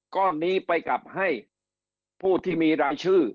ก้อนนี้ไปกลับให้ผู้ที่มีรายชื่อ